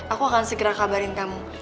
aku akan segera kabarin kamu